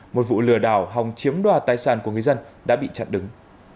một vụ lừa đảo hòng chiếm đoạt tài sản của người dân đã bị chặn đứng